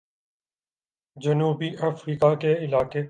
جنوبی افریقہ کے علاقہ